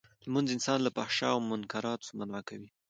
لمونځ انسان له فحشا او منکراتو منعه کوی.